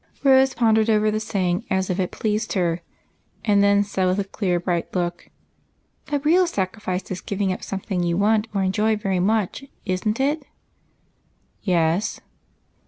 " Rose pondered over the saying as if it pleased her, and then said, with a clear, bright look, —" A real sacrifice is giving up something you want or enjoy very much, isn't it?" "Yes."